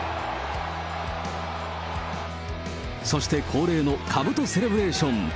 そして恒例のかぶとセレブレーション。